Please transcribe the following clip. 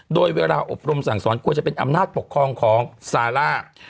โดยเวลาอบรมสั่งสอนควรจะเป็นอำนาจปกครองของซาร่า